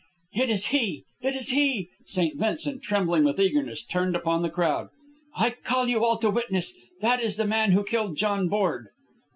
"It is he! It is he!" St. Vincent, trembling with eagerness, turned upon the crowd. "I call you all to witness! That is the man who killed John Borg!"